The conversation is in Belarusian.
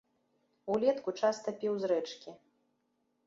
Улетку часта піў з рэчкі.